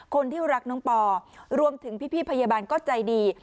คนที่รักน้องปอรวมถึงพี่พยาบาลก็ใจดี